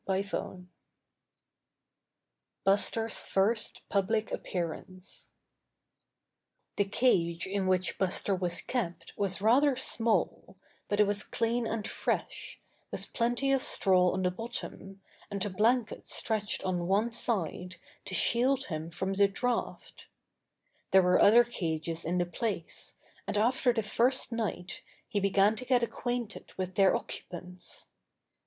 STORY VIII Buster's First Public Appearance The cage in which Buster was kept was rather small, but it was clean and fresh, with plenty of straw on the bottom, and a blanket stretched on one side to shield him from the draft There were other cages in the place, and after the first night he began to get ac quainted with their occupants.